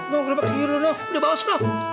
nong kerabat segitu lu udah bawas lu